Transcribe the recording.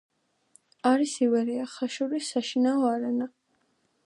არის ივერია ხაშურის საშინაო არენა.